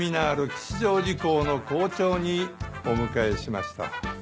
吉祥寺校の校長にお迎えしました。